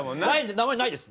名前ないです！